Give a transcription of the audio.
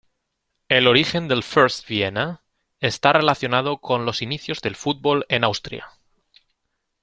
El origen del First Vienna está relacionado con los inicios del fútbol en Austria.